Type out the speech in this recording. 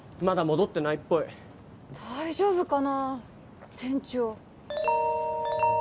まだ戻ってないっぽい大丈夫かな